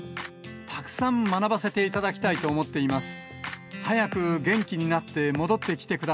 たくさん学ばせていただきたいと思っています。